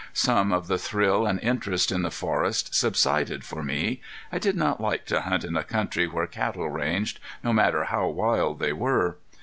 Some of the thrill and interest in the forest subsided for me. I did not like to hunt in a country where cattle ranged, no matter how wild they were.